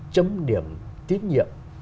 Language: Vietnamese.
chấm điểm tiết nhiệm